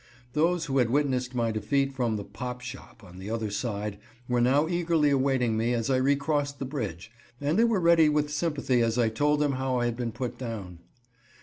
Those who had witnessed my defeat from the "pop shop" on the other side were now eagerly awaiting me as I recrossed the bridge, and they were ready with sympathy as I told them how I had been put down.